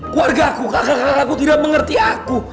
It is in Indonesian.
keluarga aku kakak kakak aku tidak mengerti aku